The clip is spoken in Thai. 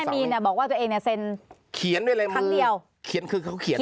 แม่มีนอ่ะบอกว่าตัวเองเนี่ยเซนเขียนด้วยลายมือครั้งเดียวเขียนคือเขาเขียน